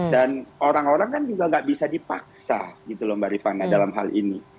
dan orang orang kan juga nggak bisa dipaksa gitu loh mbak rifana dalam hal ini